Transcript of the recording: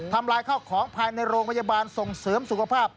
ลายข้าวของภายในโรงพยาบาลส่งเสริมสุขภาพ